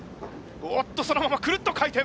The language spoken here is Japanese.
おっとそのままくるっと回転！